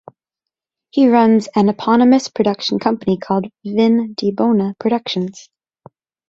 He runs an eponymous production company called Vin Di Bona Productions.